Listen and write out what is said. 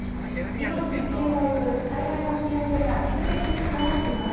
命に危険が及ぶ災害の危険性が急激に高まっています。